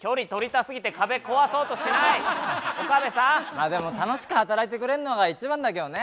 まあでも楽しく働いてくれんのが一番だけどね。